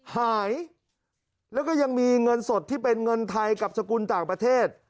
หายแล้วก็ยังมีเงินสดที่เป็นเงินไทยกับสกุลต่างประเทศ